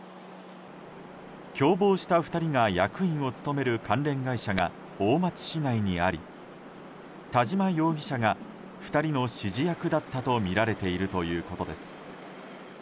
共謀した２人が役員を務める関連会社が大町市内にあり田嶋容疑者が２人の指示役だったとみられているということです。